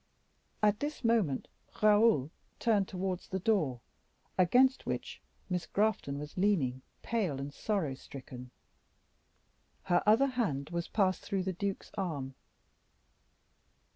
At this moment Raoul turned towards the door, against which Miss Grafton was leaning, pale and sorrow stricken; her other hand was passed through the duke's arm.